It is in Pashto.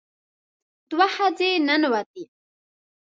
دوه ښځې ننوتې.